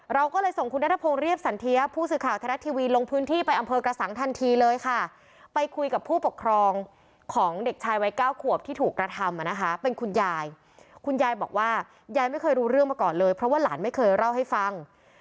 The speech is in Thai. เราก็เลยส่งคุณ